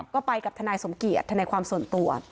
ก็ไปกับทนายสมเกียจทนายความส่วนตัว